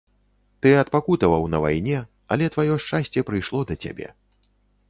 Ты адпакутаваў на вайне, але тваё шчасце прыйшло да цябе.